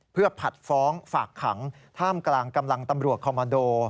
เพื่อผัดฟ้องฝากขังท่ามกลางกำลังตำรวจคอมมันโด